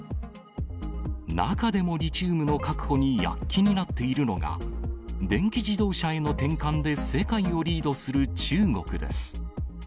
中でもリチウムの確保に躍起になっているのが、電気自動車への転換で世界をリードする中国です。